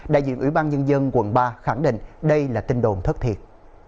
đại diện ủy ban nhân dân quận ba khẳng định đây là tin đồn thất thiệt